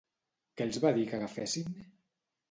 Què els va dir que agafessin?